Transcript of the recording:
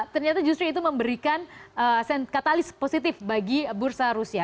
ternyata justru itu memberikan katalis positif bagi bursa rusia